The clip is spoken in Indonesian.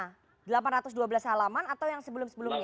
nah delapan ratus dua belas halaman atau yang sebelum sebelumnya